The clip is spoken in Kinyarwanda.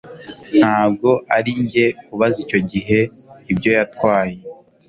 Ntabwo ari njye kubaza icyo igihe ibyo yatwaye